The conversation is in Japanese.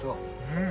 うん。